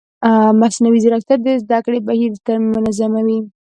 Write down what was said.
مصنوعي ځیرکتیا د زده کړې بهیر منظموي.